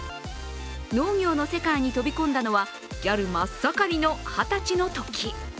農業の世界に飛び込んだのは、ギャル真っ盛りの二十歳のとき。